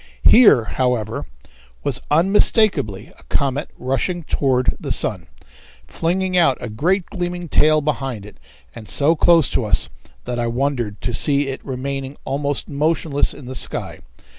Here, however, was unmistakably a comet rushing toward the sun, flinging out a great gleaming tail behind it and so close to us that I wondered to see it remaining almost motionless in the sky.